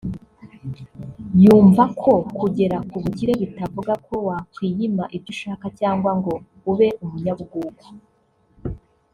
yumva ko kugera ku bukire bitavuga ko wakwiyima ibyo ushaka cyangwa ngo ube umunyabugugu